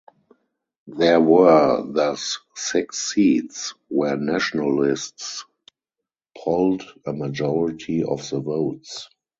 There were thus six seats where nationalists polled a majority of the votes.